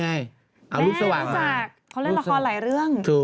เอารูปสว่างแม่รู้จักเขาเล่าละครหลายเรื่อง